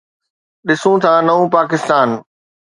ڏسون ٿا نئون پاڪستان.